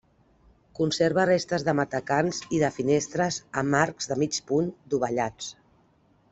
Conserva restes de matacans i de finestres amb arcs de mig punt dovellats.